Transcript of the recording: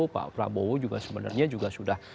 pak prabowo juga sebenarnya juga sudah